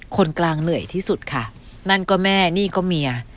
คนกลางเหนื่อยที่สุดค่ะนั่นก็แม่นี่ก็เมีย